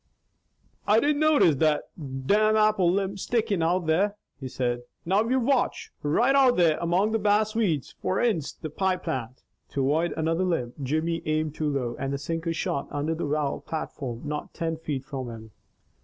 "I didn't notice that domn apple limb stickin' out there," he said. "Now you watch! Right out there among the bass weeds foreninst the pie plant." To avoid another limb, Jimmy aimed too low and the sinker shot under the well platform not ten feet from him.